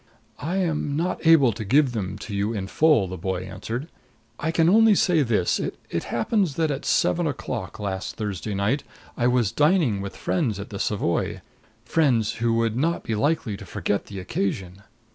"I am not able to give them to you in full," the boy answered. "I can only say this: It happens that at seven o'clock last Thursday night I was dining with friends at the Savoy friends who would not be likely to forget the occasion."